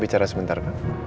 bisa bicara sebentar pak